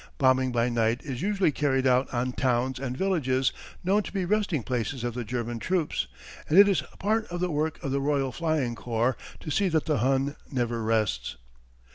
Bombing by night is usually carried out on towns and villages known to be resting places of the German troops, and it is part of the work of the Royal Flying Corps to see that the Hun never rests.